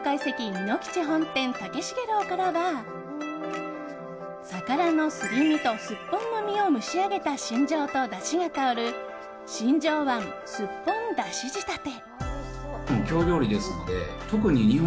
美濃吉本店竹茂楼からは魚のすり身とすっぽんの身を蒸し上げたしんじょうと、だしが香るしんじょう椀すっぽん出汁仕立て。